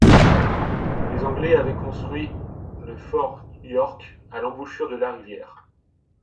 Les Anglais avaient construit le fort York à l'embouchure de la rivière.